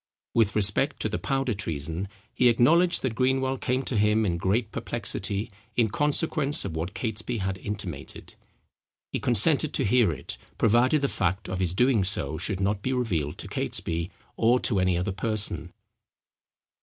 With respect to the Powder Treason he acknowledged, that Greenwell came to him in great perplexity in consequence of what Catesby had intimated. He consented to hear it, provided the fact of his doing so should not be revealed to Catesby, or to any other person.